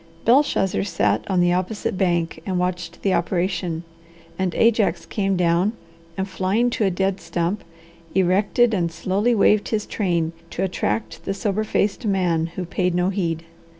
Belshazzar sat on the opposite bank and watched the operation; and Ajax came down and, flying to a dead stump, erected and slowly waved his train to attract the sober faced man who paid no heed.